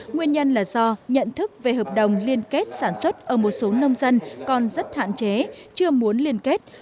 nguyên nhân là do nhận thức về hợp đồng liên kết sản xuất ở một số nông dân còn rất hạn chế chưa muốn liên kết